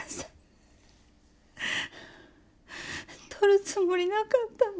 とるつもりなかったの。